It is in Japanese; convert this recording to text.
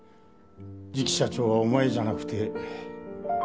次期社長はお前じゃなくて瑞季だ。